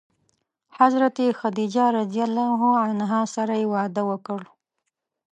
حضرت خدیجه رض سره یې واده وکړ.